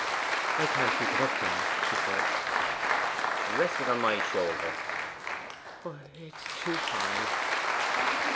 'I can't keep it up now,' she said. 'Rest it on my shoulder.' 'It is too high.